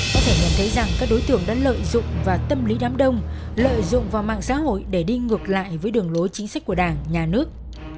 có thể nhận thấy rằng các đối tượng đã lợi dụng vào tâm lý đám đông lợi dụng vào mạng xã hội để đi ngược lại với đường lối chính sách của đảng nhà nước